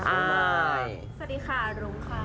สวัสดีค่ะรุ้งค่ะ